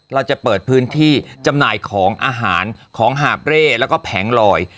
เราจะเปิดพื้นที่จำหน่ายของอาหารของหาบเร่แล้วก็แผงลอย